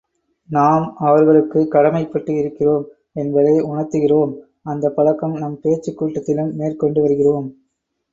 நாம் அவர்களுக்குக் கடமைப்பட்டு இருக்கிறோம் என்பதை உணர்த்துகிறோம், அந்தப் பழக்கம் நம் பேச்சுக் கூட்டத்திலும் மேற்கொண்டு வருகிறோம்.